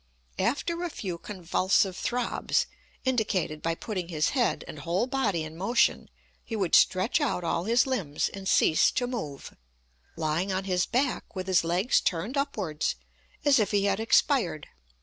After a few convulsive throbs, indicated by putting his head and whole body in motion, he would stretch out all his limbs and cease to move, lying on his back with his legs turned upwards, as if he had expired.